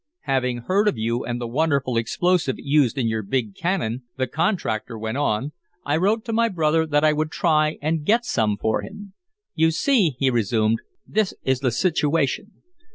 "Having heard of you, and the wonderful explosive used in your big cannon," the contractor went on, "I wrote to my brother that I would try and get some for him. "You see," he resumed, "this is the situation.